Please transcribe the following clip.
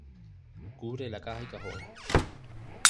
Cubre la caja y cajón.